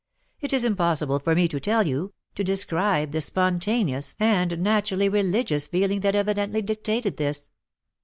It is impossible for me to tell you, to describe the spontaneous and naturally religious feeling that evidently dictated this.